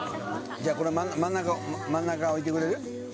じゃあこれ真ん中真ん中置いてくれる？